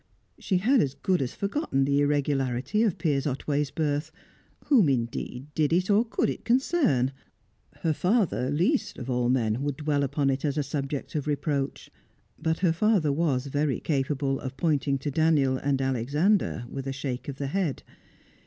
She had as good as forgotten the irregularity of Piers Otway's birth. Whom, indeed, did it or could it concern? Her father, least of all men, would dwell upon it as a subject of reproach. But her father was very capable of pointing to Daniel and Alexander, with a shake of the head.